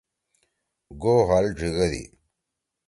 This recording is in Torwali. گو ہل ڙھیِگَدی۔